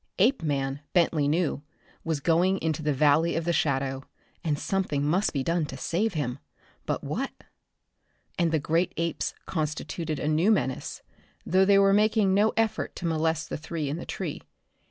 Apeman, Bentley knew, was going into the Valley of the Shadow, and something must be done to save him. But what? And the great apes constituted a new menace, though they were making no effort to molest the three in the tree.